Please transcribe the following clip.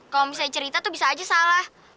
kalau misalnya cerita tuh bisa aja salah